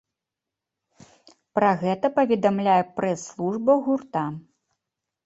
Пра гэта паведамляе прэс-служба гурта.